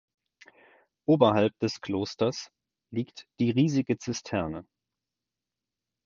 Oberhalb des Klosters liegt die riesige Zisterne.